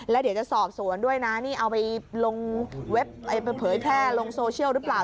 และเดี๋ยวจะสอบส่วนด้วยนะเอาไปเผยแพร่ลงโซเชียลหรือเปล่า